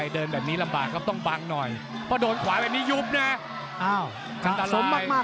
ดูส่งมาถึงตรงนี้แล้วอยู่ที่ยุบหรือเปล่าเท่านั้นแหละครับ